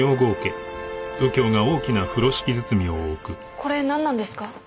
これなんなんですか？